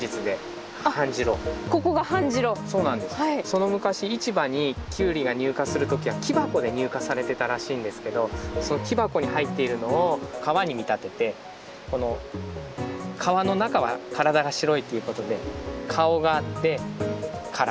その昔市場にキュウリが入荷する時は木箱で入荷されてたらしいんですけどその木箱に入っているのを川に見立ててこの川の中は体が白いということで顔があって体。